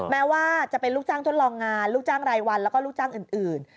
แม้ว่าจะเป็นลูกจ้างทดลองงานลูกจ้างรายวันแล้วก็ลูกจ้างอื่น